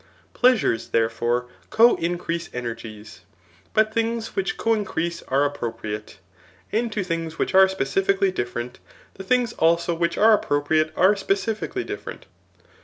Pleasures, therefore, co indrease energies; but things which co increase are appropriate ; and to things which are ^ dfically different, the things also which are appropriate are specifically different.